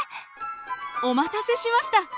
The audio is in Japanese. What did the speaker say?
お待たせしました！